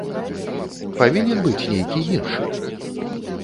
Павінен быць нейкі іншы?